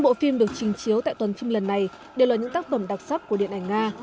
năm bộ phim được trình chiếu tại tuần phim lần này đều là những tác phẩm đặc sắc của điện ảnh nga